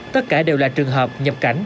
tất cả đều là trường hợp nhập cảnh